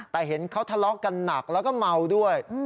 แต่เห็นเขาทะเลาะกันหนักแล้วก็เมาด้วย